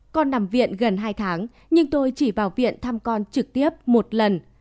con nằm viện gần hai tháng nhưng tôi chỉ vào viện thăm con trực tiếp một lần